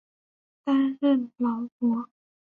担任劳模。